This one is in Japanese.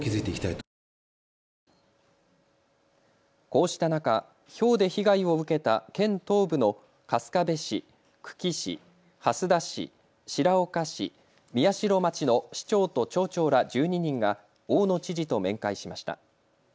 こうした中、ひょうで被害を受けた県東部の春日部市、久喜市、蓮田市、白岡市、宮代町の市長と町長ら１２人が大野知事と面会しました。